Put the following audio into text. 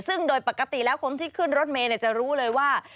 ซึ่งโดยปกติแล้วคนที่ขึ้นรถเมย์จะรู้เลยว่า